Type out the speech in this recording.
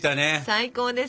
最高ですよ！